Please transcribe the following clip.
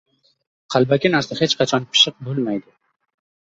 Qalbaki narsa hech qachon pishiq bo‘lmaydi.